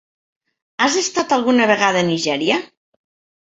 Has estat alguna vegada a Nigèria?